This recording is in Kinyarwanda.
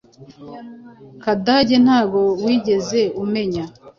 Kadage ntago wigeze umenya